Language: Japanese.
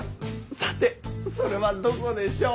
さてそれはどこでしょう？